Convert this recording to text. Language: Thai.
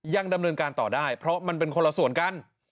ยังดำเนินการต่อได้เพราะมันเป็นคนละส่วนกัน